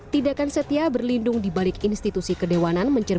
tindakan setia berlindung di balik institusi kedewanan